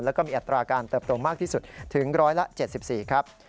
แล้วก็มีอัตราการเติบโตมากที่สุดถึงร้อยละ๗๔ครับ